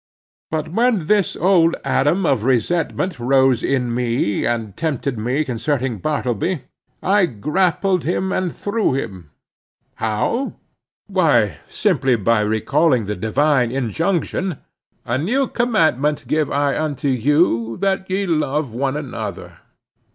But when this old Adam of resentment rose in me and tempted me concerning Bartleby, I grappled him and threw him. How? Why, simply by recalling the divine injunction: "A new commandment give I unto you, that ye love one another."